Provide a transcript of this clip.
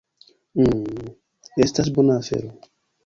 Mmm, estas bona afero.